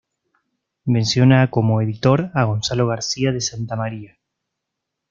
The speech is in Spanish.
Menciona como editor a Gonzalo García de Santa María.